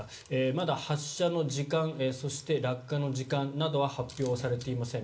まだ発射の時間落下の時間などは発表されていません。